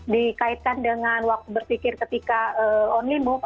dikaitkan dengan waktu berpikir ketika only move